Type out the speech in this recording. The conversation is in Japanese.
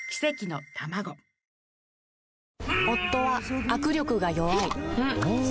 夫は握力が弱い